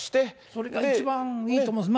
それが一番いいと思うんです。